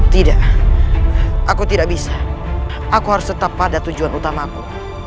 tidak aku tidak bisa aku harus tetap pada tujuan utamaku